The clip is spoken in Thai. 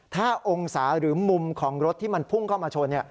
ถ้าองศาหรือมุมของรถที่มันพุ่งเข้ามาชน